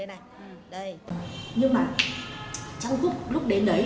nhưng mà trong gúc lúc đến đấy